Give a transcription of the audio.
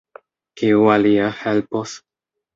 Kiu alia helpos?